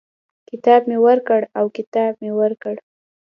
کتاب مي ورکړ او کتاب مې ورکړ.